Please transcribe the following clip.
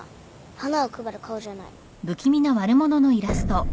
花を配る顔じゃない。